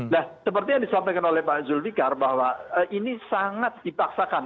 nah seperti yang disampaikan oleh pak zuldikar bahwa ini sangat dipaksakan